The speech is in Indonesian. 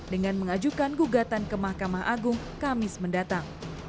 dengan mengajukan gugatan ke mahkamah agung kamis mendatang